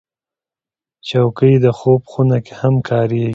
چوکۍ د خوب خونه کې هم کارېږي.